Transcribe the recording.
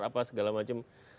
apa segala macam